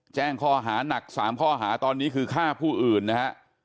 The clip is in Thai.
แจ้งข้อหานัก๓ข้อหาตอนนี้คือฆ่าผู้อื่นนะฮะ